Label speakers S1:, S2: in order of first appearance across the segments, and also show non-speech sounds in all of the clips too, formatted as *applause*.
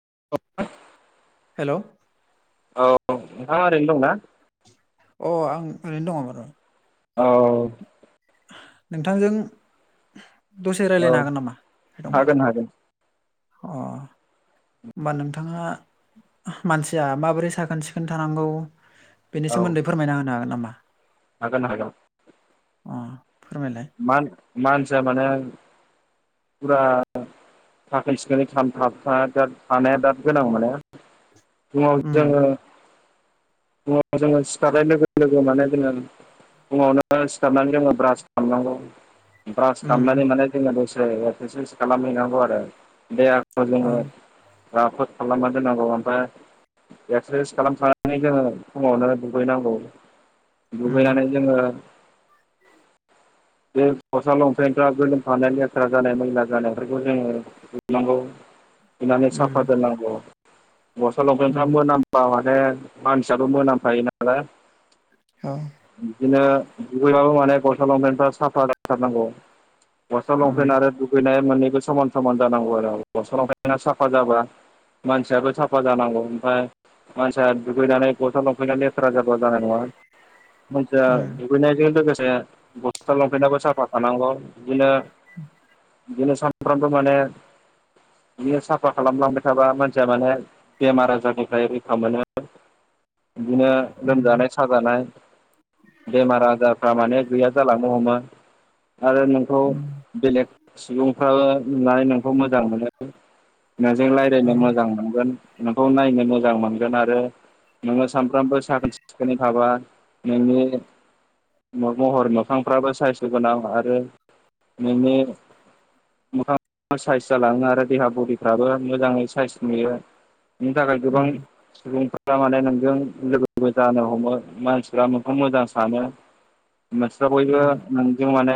S1: *unintelligible*
S2: हेल
S1: औ नोंथाङा ओरैनो दंना?
S2: अ आं ओरैनो दङ ओं र।
S1: औ
S2: नोंथांजों दसे रायलायनो
S1: औ
S2: हागोन नामा दंबा?
S1: हागोन हागोन
S2: अ होमबा नोंथाङा मानसिया माबोरै साखोन सिखोन थानांगौ बेनि
S1: औ
S2: सोमोन्दै फोरमायना होनो हागोन नामा?
S1: हागोन हागोन।
S2: अ फोरमायलाय
S1: मान मानसिया माने। फुरा थाखोन सिखोनै थामथाखादार थानाया दा गोनां माने। फुङाव
S2: उम
S1: जोङो। फुङाव जोङो सिखारनाय लोगो लोगो माने जोङो। फुङावनो सिखारनानै जोङो ब्रास खामनांगौ। ब्रास
S2: उम
S1: खामनानै माने जोङो दसे एक्सारसाइस खालामहैनांगौ आरो दे।
S2: अ
S1: *unintelligible* राफोद खालामना दोननांगौ ओमफाय एक्सारसाइस खालामखांनानै जोङो। फुङावनो दुगैनांगौ
S2: उम
S1: दुगैनानै जोङो।
S2: *inaudible*
S1: बे गसा लंफेनफ्रा गोलोमफानाय लेथ्रा जानाय मैला जानायफोरखौ जोङो सुनांगौ।
S2: *inaudible*
S1: सुनानै साफा
S2: उम
S1: दोननांगौ। गस्ला लंफेनफ्रा
S2: उम
S1: मोनामबा माने मानसियाबो मोनामफायो नालाय।
S2: औ
S1: बिदिनो दुगैबाबो माने गसा लंफेनफ्रा साफा जाथारनांगौ। गसा लंफेन
S2: उम
S1: आरो दुगैनाय मोननैबो समान समान जानांगौ आरो गसा लंफेना साफा जाबा मानसियाबो साफा जानांगौ ओमफाय मानसिया दुगैनानै गसा लंफेना लेथ्रा जाबा जानाय नङा, मानसिया
S2: उम
S1: दुगैनायजों लोगोसे गस्सा लंफेनाबो साफा थानांगौ। बिदिनो
S2: *inaudible*
S1: बिदिनो सामफ्रामबो माने बियो साफा खालामलांबाय थाबा मानसिया माने बेमार आजारनिफ्राय रैखा मोनो।
S2: *inaudible*
S1: बिदिनो
S2: उम
S1: लोमजानाय साजानाय, बेमार आजार रा माने गैया जालांनो हमो आरो नोंखौ
S2: उम
S1: बेलेग सुबुंफ्राबो होनाय नोंखौ मोजां मोनो, नोंजों
S2: औ
S1: लायरायनो मोजां मोनगोन, नोंखौ नायनो मोजां मोनगोन आरो नोङो सानफ्रामबो साखोन सिखोनै थाबा नोंनि महर मोखांफ्राबो सायसथ' गोनां आरो नोंनि मोखां *unintelligible* साइस जालाङो आरो देहा बदिफ्राबो मोजाङै साइस नुयो। बिनि थाखाय गोबां
S2: उम
S1: सुबुंफोरा माने नों जों लोगोबो जानो हमो, मानसिफ्रा नोंखौ मोजां सानो। मानसिफ्रा बयबो
S2: उम
S1: नोंजों माने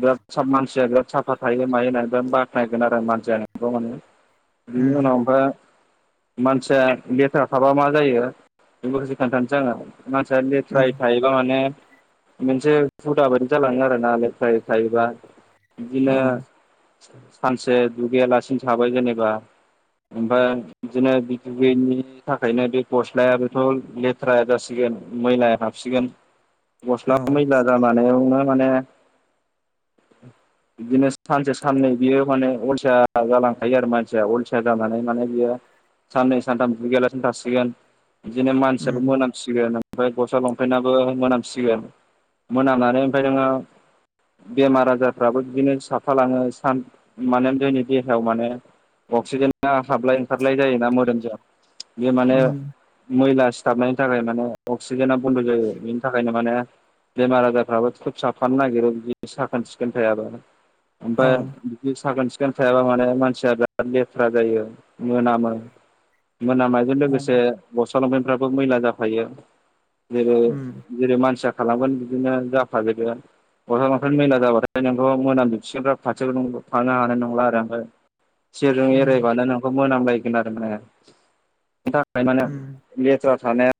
S1: बिराद साब मानसिया बिराद साफा थायो मायो होन्ना बिराद बाख्नायगोन आरो मानसि नोंखौ माने। बिनि
S2: उम
S1: उनाव ओमफाय मानसिया लेथेरा थाबा मा जायो, बेखौ एसे खोन्थासै आङो। मानसिया लेथ्रायै
S2: उम
S1: थायोबा माने मोनसे हुदा बायदि जालाङो आरो ना लेथ्रायै थायोबा। बिदिनो सानसे दुगैयालासिनो थाबाय जेनोबा ओमफ्राय बिदिनो बि गैयिनि थाखायनो बे गस्लायाबोथ' लेथ्राया जासिगोन मैलाया हाबसिगोन।
S2: औ
S1: गस्ला मैला जानानैयावनो माने बिदिनो सानसे साननै बियो माने अलसिया जालांखायो आरो मानसिया अलसिया जानानै माने बियो साननै सानथाम दुगैया लासेनो थासिगोन बिदि मानसियाबो
S2: उम
S1: मोनामसिगोन। ओमफ्राय गस्ला लंपेनाबो मोनामसिगोन। मोनामनानै ओमफाय नोङो बेमार आजारफ्राबो बिदिनो साफालाङो सान माने जोंनि देहायाव माने अक्सिजेेना हाबलाय ओंखारलाय जायोना मोदोमजों बे माने
S2: उम
S1: मैला सिथाबनायनि थाखाय माने अक्सिजेना बन्द जायो। बिनि थाखायनो माने बेमार आजारफ्राबो थुब साबफानो नागिरो बिदि साखोन सिखोन थायाब्ला।
S2: औ
S1: ओमफ्राय बिदि साखोन सि खोन थायाबा माने मानसिया बिराद लेथ्रा जायो मोनामोन मोनामनायजों
S2: औ
S1: लोगोसे गस्ला लंपेनफ्राबो मैला जाफायो। जेरै
S2: उम
S1: जेरै मानसिया खालामगोन बिदिनो जाफादेरगोन। गस्ला लंफेन मैला जाबाथाय नोंखौ मोनामजोबसिगोन ओमफाय खाथियाव नोंखौ थानो हानाय नंला आरो ओमफ्राय सिरजों
S2: उम
S1: एरायबानो नोंखौ मोनामलायगोन आरो माने बिनि थाखाय माने
S2: उम
S1: लेथ्रा थानाया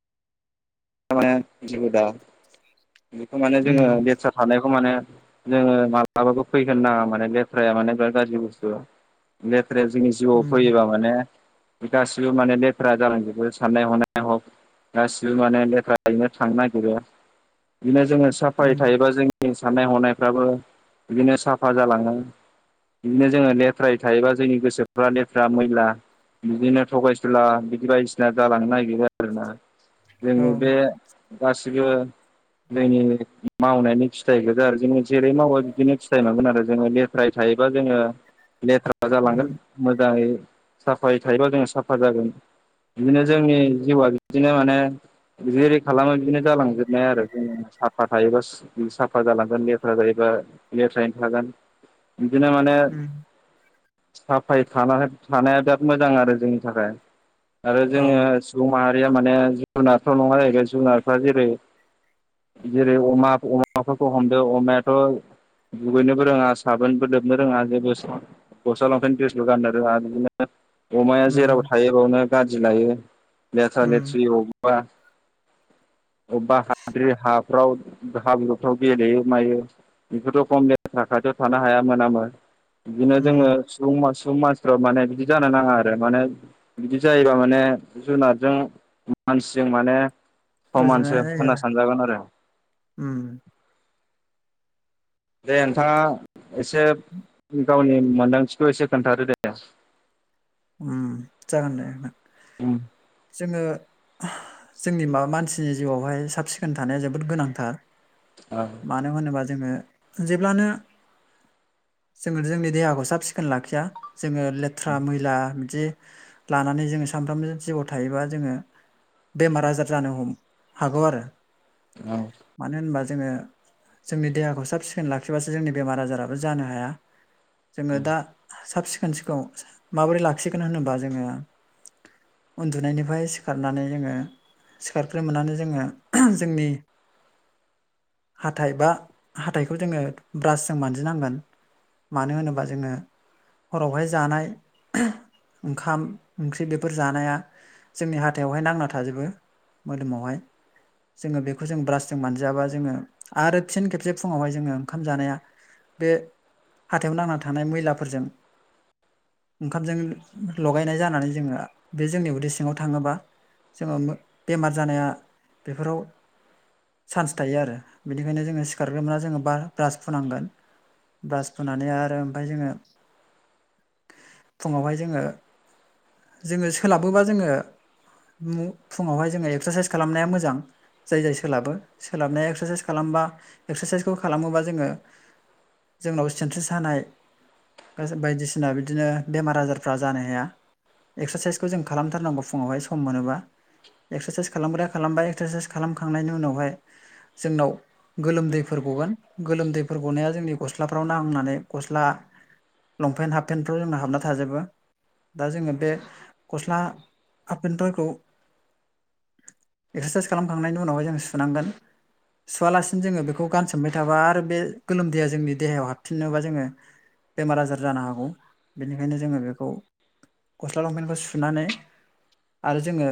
S1: माने जुदा बेखौ माने जोङो
S2: उम
S1: लेथ्रा थानाय खौ माने जोङो माब्लाबाबो फैहोनो नाङा माने लेथ्राया बिराज गाज्रि बसथु। लेथ्राया जोंनि जिउआव
S2: उम
S1: फैयोबा माने गासिबो माने लेथ्रा जालांजोबो साननाय हनाय हक गासिबो माने लेथ्राखायनो थांनो नागिरो बिदिनो जोङो साफाय
S2: उम
S1: थायोबा जों जोंनि साननाय हनायफ्राबो बिदिनो साफा जालाङो। बिदिनो जोङो लेथ्रायै थायोबा जोंनि गोसोफ्रा लेथ्रा मैला बिदिनो थगायसुला बिदि बायदिसिना जालांनो नागिरो आरो ना?
S2: औ।
S1: गासिबो जोंनि मावनायनि फिथाइगोजा आरो जोङो जेरै मावो बिदिनो फिथाइ मोनगोन आरो जोङो लेथ्रायै था योबा जोङो लेथ्रा
S2: उम
S1: जालांगोन मोजांङै साफायै थायोबा जों साफा जागोन बिदिनो जोंनि जिउआ बिदिनो माने जेरै खालामो बिदिनो जालां जोबनाय आरो जों साफा थायोब्ला सु साफा जालांगोन लेथ्रा जायोबा लेथ्रायैनो थागोन।
S2: *inaudible*
S1: बिदिनो माने
S2: उम
S1: साफायै थाना थानाया बिराद मोजां आरो जोंनि थाखाय आरो
S2: औ
S1: जोङो सुबुं माहारिया माने जुनारथ' नंङा जाहैबाय जुनारफ्रा जेरै जेरै अमा अमाफोरखौ हमदो अमायाथ' दुगैनोबो रोङा साबोनबो लोबनो रोङा जेबो गस्ला लंफेन द्रेसबो गाननो रोङा बिदिनो अमाया जेराव
S2: उम
S1: थायो बावनो गादि लायो लेथ्रा
S2: उम
S1: लेथ्रि बबेबा
S2: *inaudible*
S1: अबबा हाद्रि हाफ्राव हाब्रुफ्राव गेलेयो मायो बेफोरथ' खम लेथ्रा खा थियाव थानो हाया मोनामो बिदिनो
S2: उम
S1: जोङो सुबुं सब मानसिफ्राबो माने बिदि जानो नांङा आरो माने बिदि जायोबा माने जुनादजों मानसिजों माने
S2: रुजुनाय
S1: समानसो
S2: जायो
S1: होनना
S2: आरो
S1: सानजागोन आरो।
S2: उम
S1: दे नोंथाङा एसे गावनि मोनदांथिखौ एसे खोनथादो दे।
S2: उम जागोन दे नों
S1: उम।
S2: जोङो जोंनि माबा मानसिनि जिउआवहाय साब सिखोन थानाया जोबोद गोनांथार। मानो होनोबा जोंङो जेब्लानो जोंङो जोंनि देहाखौ साब सिखोन लाखिया जोंङो लेथ्रा मैला बिदि लानानै जोंङो सामफ्रामबो जिउआव थायोबा जोंङो बेमार आजार जानो हम हागौ आरो
S1: औ
S2: मानो होनबा जोङो जोंनि देहाखौ साब सिखोन लाखिबासो जोंनि बेमार आजाराबो जानो हाया। जोंङो दा साब सिखोन सिखौ माबोरै लाखिगोन होनोबा जोंङो उन्दुनायनिफ्राय सिखारनानै जोंङो सिखारग्रो मोनानो जोङो जोंनि हाथाइ बा हाथाइखौ जोंङो ब्रासजों मानजिनांगोन। मानो होनोबा जोंङो हरावहाय जानाय ओंखाम ओंख्रि बेफोर जानाया जोंनि हाथायावहाय नांना थाजोबो। मोदोमावहाय जोंङो बेखौ जों ब्रासजों मोनजायाबा जोंङो आरो फिन खेबसे फुंङावहाय जोंङो ओंखाम जानाया बे हाथायाव नांना थानाय मैलाफोरजों ओंखामजों लगायनाय जानानै जोंङो बे जोंनि उदै सिङाव थांङोबा जोंङो मो बेमार जानाया बेफोराव चान्स थायो आरो बेनिखायनो जोंङो सिखारग्रोमोना जोंङो बा ब्रास फुनांगोन। ब्रास फुनानै आरो ओमफाय जोंङो फुंङावहाय जोंङो जोंङो सोलाबोबा जोंङो मु फुंङावहाय जोंङो एक्सारसाइस खालामनाया मोजां जाय जाय सोलाबो सोलाबनाया एक्सारसाइस खालाम बा एक्सारसाइसखौ खालामोबा जोंङो जोंनाव सिनस्रि सानाय बाय बायदिसिना बिदिनो बेमार आजार फ्रा जानो हाया एक्सारसाइसखौ जों खालामथारनांगौ फुंङावहाय सम मोनोबा। एक्सारसाइस खालामग्रा खालामबाय एक्सारसाइस खालामखांनायनि उनावहाय जोंनाव गोलोमदैफोर गगोन। गोलोमदैफोर गनाया जोंनि गस्लाफ्राव नांनानै गस्ला लंपेन्ट हाफपेन्टफ्राव जोंना हाबना थाजोबो। दा जोंङो बे गस्ला हाफपेनफोरखौ एक्सारसाइस खालामखांनायनि उनावहाय जों सुनांगोन। सुवालासिनो जोंङो बेखौ गानसोमबाय थाबा आरो बे गोलोमदैया जोंनि देहायाव हाबफिननोबा जोंङो बेमार आजार जानो हागौ बेनिखायनो जोंङो बे गौ गस्ला लंपेन्टखौ सुनानै आरो जोंङो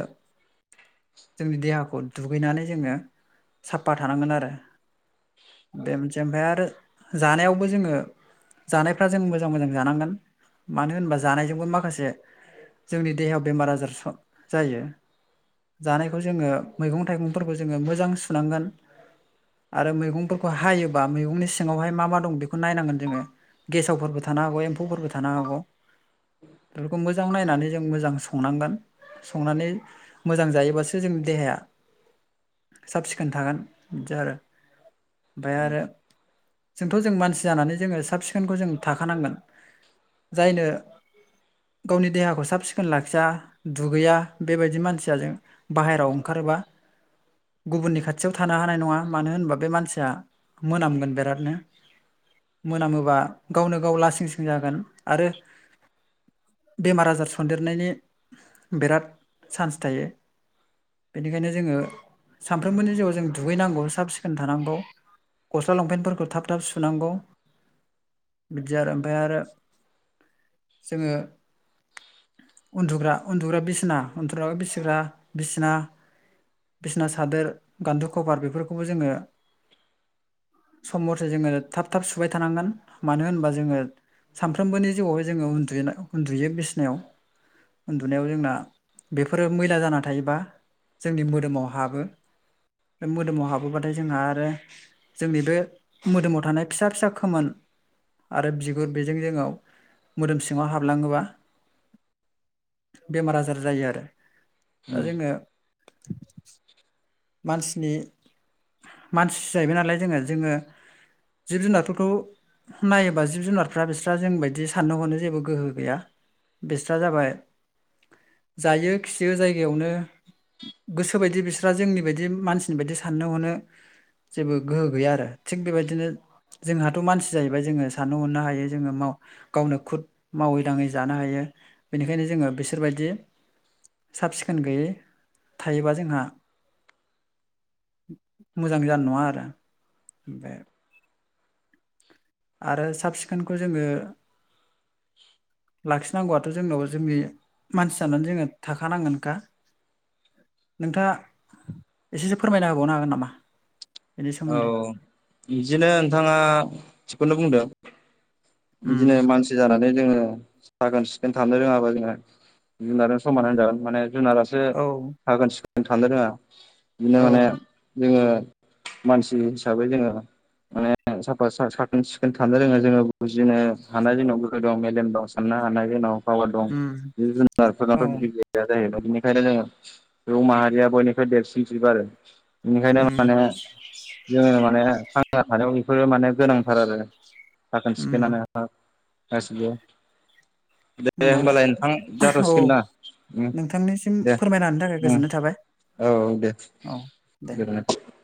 S2: जोंनि देहाखौ दुगैनानै जोंङो साफा थानांगोन आरो। बे मोनसे ओमफाय आरो जानायावबो जोङो जानायफ्रा जों मोजां मोजां जानांगोन मानो होनबा। जानायजोंबो माखासे जोंनि देहायाव बेमार आजार स जायो। जानायखौ जोंङो मैगं थाइगंफोरखौ जोंङो मोजां सुनांगोन। आरो मैगंफोरखौ हायोबा मैगंनि सिङावहाय मा मा दं बेखौ नायनांगोन जोङो। गेसावफोरबो थानो हागौ एम्फौफोरबो थानो हागौ बेखौ मो जां नायनानै जों मोजां संनांगोन। संनानै मोजां जायोबासो जोंनि देहाया साब सिखोन थागोन बिदि आरो ओमफाय आरो जोंथ' जों मानसि जानानै जोंङो साब सिखोनखौ जों थाखानांगोन जायनो गावनि देहाखौ साब सिखोन लाखिया दुगैया बेबायदि मानसिया जों बाहेरायाव ओंखारोबा गुबुननि खाथियाव थानो हानाय नंङा मानो होनबा बे मानसिया मोनामगोन बिरादनो मोनामोबा गावनो गाव लासिं सिं जागोन आरो बेमार आजार सन्देरनायनि बिराद चान्स थायो। बेनिखायनो जोंङो सानफ्रोमबोनि जिउआव जों दुगैनांगौ साब सिखोन थानांगौ। गस्ला लंपेन्टफोरखौ थाब थाब सुनांगौ। बिदि आरो ओमफाय आरो जोङो उन्दुग्रा उन्दुग्रा बिसिना *unintelligible* बिसिग्रा बिसिना। बिसना सादोर गान्थु खभार बेफोरखौबो जोङो सम मथे जोङो थाब थाब सुबाय थानांगोन मानो होनबा जोङो सानफ्रोमबोनि जिउआवहाय जोङो *unintelligible* उन्दुयो बिसिनायाव। उन्दुनायाव जोंना बेफोरो मैला जाना थायोबा जोंनि मोदोमाव हाबो। बे मोदोमाव हाबोबाथाय जोंहा आरो जोंनि बे मोदोमाव थानाय फिसा फिसा खोमोन। आरो बिगुर बेजों जोंनाव मोदोम सिङाव हाबलाङोबा बेमार आजार जायो आरो। दा
S1: औ
S2: जोङो मानसिनि मानसि जाहैबाय नालाय जोङो जोङो जिब जुनारफोरखौ नायोबा जिब जुनारफ्रा बिस्रा जों बायदि साननो हरनो जेबो गोहो गैया। बेस्रा जाबाय जायो खियो जायगायावनो गोसोबायदि बिस्रा जोंनि बेबायदि मानसिनि बायदि साननो हनो जेबो गोहो गैया आरो थिग बेबायदिनो जोंहाथ' मानसि जाहैबाय जोङो साननो हनो हायो जोङो माव गावनो खुद मावै दाङै जानो हायो बेनिखायनो जोङो बिसोरबायदि साब सिखोन गैयै थायोबा जोंहा मोजां जानाय नङा आरो ओमफाय आरो साब सिखोनखौ जोङो
S1: *unintelligible*
S2: लाखिनांगौआथ' जोंनाव जोंनि मानसि जानानै जोङो थाखानांगोनखा। नोंथाङा एसेसो फोरमायना होबावनो हागोन नामा। बेनि
S1: औ
S2: सोमोन्दै?
S1: बिदिनो नोंथाङा थिगखौनो बुंदों। बिदिनो
S2: उम
S1: मानसि जानानै जोङो साखोन सिखोन थानो रोङाबा जोङो जुनारजों समान होनजागोन माने जुनारासो
S2: औ
S1: साखोन सिखोन थानो रोङा बिदिनो
S2: औ
S1: माने जोङो मानसि हिसाबै जोङो माने साफा साखोन सिखोन थानो रोङो जोङो बुजिनो हानाय जोंनाव गोहो दं मेलेम दं साननो हानाय जोंनाव पावार दं
S2: उम
S1: जिब
S2: औ
S1: जुनारफोरनाथ' बिदि गैया जाहैबाय। बेनिखायनो जोङो सुबुं माहारिया बयनिफ्राय देरसिन जिब आरो। बेनिखायनो
S2: उम
S1: माने जोङो माने जा थानायाव बेफोरो माने गोनांथार आरो साखोन
S2: उम
S1: सिखोनानो। गासैबो दे
S2: होमबा
S1: होमबालाय नोंथां
S2: औ
S1: जाथ'सिगोन ना। उम
S2: नोंथांनिसिम
S1: दे
S2: फोरमायना होनायनि थाखाय
S1: उम
S2: गोजोननाय थाबाय।
S1: औ दे
S2: औ दे।
S1: गोजोन्नाय थाबाय।